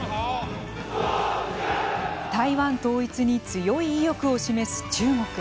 台湾統一に強い意欲を示す中国。